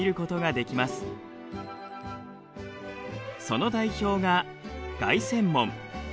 その代表が凱旋門。